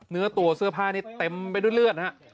เนื้อตัวเสื้อผ้านี้เต็มไปด้วยเลือดฮะ